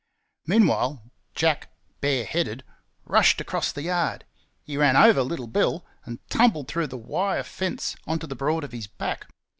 Meanwhile, Jack, bare headed, rushed across the yard. He ran over little Bill, and tumbled through the wire fence on to the broad of his back.